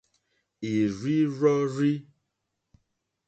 Ì rzí rzɔ́rzí.